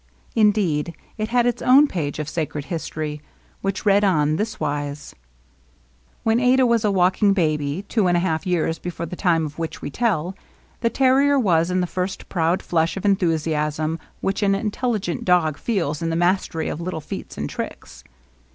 Indeed, it had its own page of sacred history, which read on this wise :— When Adah was a walking baby, two and a half years before the time of which we tell, the terrier was in the first proud flush of enthusiasm which an intelligent dog feels in the mastery of little feats and tricks.